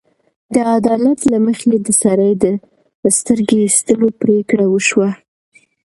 د عدالت له مخې د سړي د سترګې ایستلو پرېکړه وشوه.